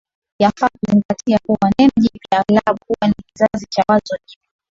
Yafaa kuzingatia kuwa neno jipya aghlabu huwa ni kizazi cha wazo jipya